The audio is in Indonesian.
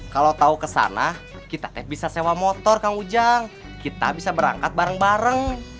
kalau tahu ke sana kita bisa sewa motor kang ujang kita bisa berangkat bareng bareng